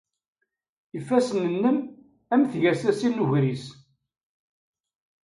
Ifassen-nnem am tgasasin n ugris.